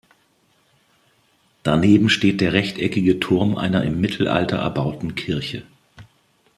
Daneben steht der rechteckige Turm einer im Mittelalter erbauten Kirche.